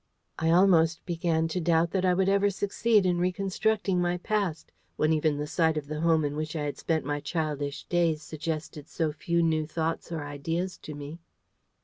I almost began to doubt that I would ever succeed in reconstructing my past, when even the sight of the home in which I had spent my childish days suggested so few new thoughts or ideas to me.